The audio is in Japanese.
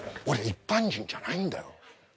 俺一般人じゃないんだよ。